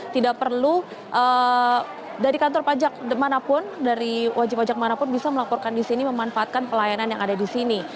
tidak perlu dari kantor pajak manapun dari wajib pajak manapun bisa melaporkan disini memanfaatkan pelayanan yang ada disini